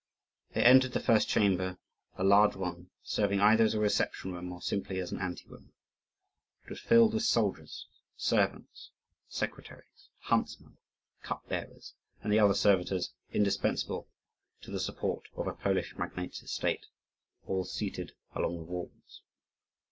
They entered the first chamber, a large one, serving either as a reception room, or simply as an ante room; it was filled with soldiers, servants, secretaries, huntsmen, cup bearers, and the other servitors indispensable to the support of a Polish magnate's estate, all seated along the walls.